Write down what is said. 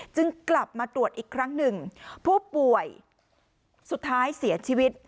จึงกลับมาตรวจอีกครั้งหนึ่งผู้ป่วยสุดท้ายเสียชีวิต